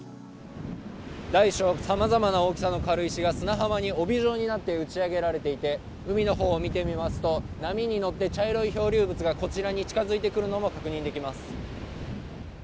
大小さまざまな大きさの軽石が砂浜に帯状になって打ち上げられていて海の方を見てみますと、波に乗って茶色い漂流物がこちらに近づいてくるのが確認できます。